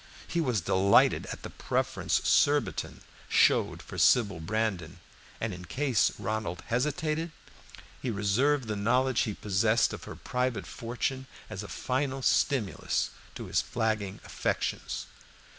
He was delighted at the preference Surbiton showed for Sybil Brandon, and in case Ronald hesitated, he reserved the knowledge he possessed of her private fortune as a final stimulus to his flagging affections.